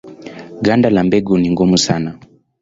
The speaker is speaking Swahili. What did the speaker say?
Ganda la mbegu ni gumu sana.